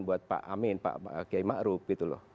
buat pak amin pak kiai ma'ruf